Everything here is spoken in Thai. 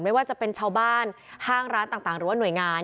ไม่ว่าจะเป็นชาวบ้านห้างร้านต่างหรือว่าหน่วยงาน